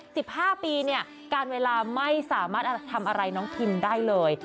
สิบห้าปีเนี่ยการเวลาไม่สามารถทำอะไรน้องพิมได้เลย